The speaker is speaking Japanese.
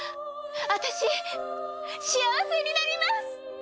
あたし幸せになります！